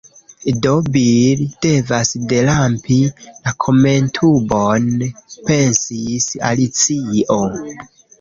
“Do, Bil devas derampi la kamentubon,” pensis Alicio.